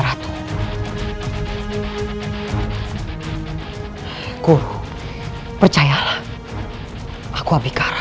ratu guru percayalah aku abikara